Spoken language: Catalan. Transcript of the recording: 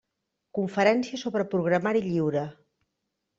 Conferències sobre programari lliure.